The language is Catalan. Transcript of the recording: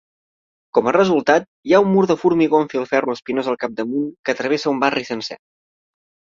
Com a resultat, hi ha un mur de formigó amb filferro espinós al capdamunt que travessa un barri sencer.